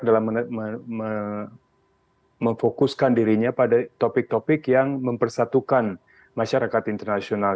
dalam memfokuskan dirinya pada topik topik yang mempersatukan masyarakat internasional